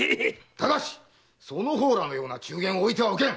ただしその方らのような中間は置いてはおけん！